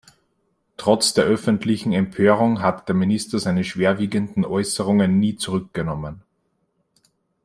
Trotz der öffentlichen Empörung hat der Minister seine schwerwiegenden Äußerungen nie zurückgenommen.